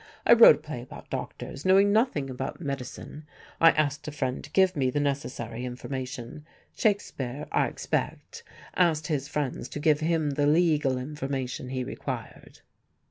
I wrote a play about doctors, knowing nothing about medicine: I asked a friend to give me the necessary information. Shakespeare, I expect, asked his friends to give him the legal information he required."